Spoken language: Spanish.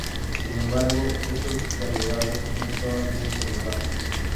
Sin embargo, estas variedades no estaban bien controladas.